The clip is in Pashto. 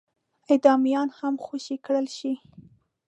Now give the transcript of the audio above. اعدامیان هم خوشي کړای شي.